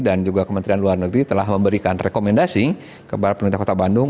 dan juga kementerian luar negeri telah memberikan rekomendasi kepada pemerintah kota bandung